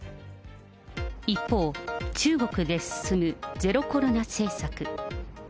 一方、中国で進むゼロコロナ政策。